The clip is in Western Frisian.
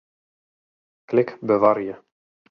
Klik Bewarje.